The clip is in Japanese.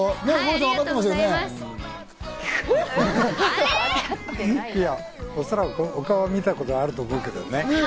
いや、おそらくお顔を見たことはあると思うけどね。